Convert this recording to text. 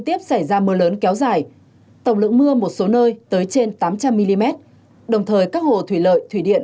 tổng lượng mưa một số nơi tới trên tám trăm linh mm đồng thời các hồ thủy lợi thủy điện